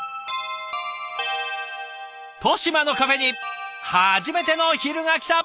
利島のカフェに初めての昼がきた！